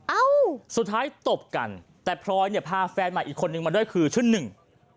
เอ้าสุดท้ายตบกันแต่พลอยเนี่ยพาแฟนใหม่อีกคนนึงมาด้วยคือชื่อหนึ่ง